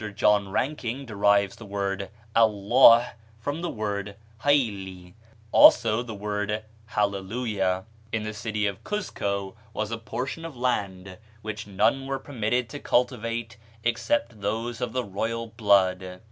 John Ranking derives the word Allah from the word Haylli, also the word Halle lujah. In the city of Cuzco was a portion of land which none were permitted to cultivate except those of the royal blood.